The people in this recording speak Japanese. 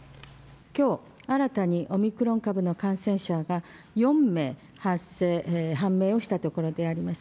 きょう、新たにオミクロン株の感染者が４名判明をしたところであります。